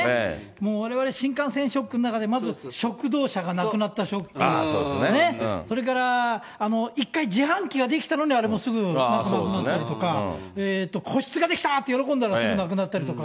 もうわれわれ新幹線ショックの中で、まず食堂車がなくなったショック、それから一回自販機が出来たのに、あれもすぐなくなったりとか、個室が出来たって喜んだらすぐなくなったりとか。